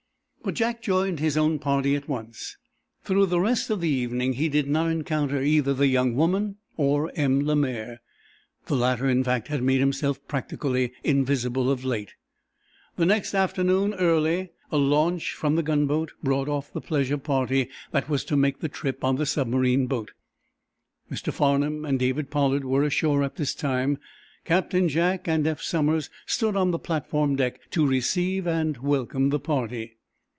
But Jack joined his own party at once. Through the rest of the evening he did not encounter either the young woman or M. Lemaire. The latter, in fact, had made himself practically invisible of late. The next afternoon, early, a launch from the gunboat brought off the pleasure party that was to make the trip on the submarine boat. Mr. Farnum and David Pollard were ashore at this time. Captain Jack and Eph Somers stood on the platform deck to receive and welcome the party.